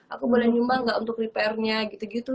aku boleh nyumbang gak untuk repairnya gitu gitu